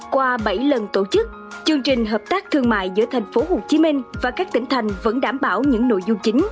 qua bảy lần tổ chức chương trình hợp tác thương mại giữa thành phố hồ chí minh và các tỉnh thành vẫn đảm bảo những nội dung chính